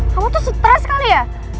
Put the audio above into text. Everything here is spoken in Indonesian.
kamu tuh stres sekali ya